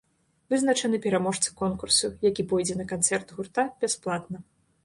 Вызначаны пераможца конкурсу, які пойдзе на канцэрт гурта бясплатна.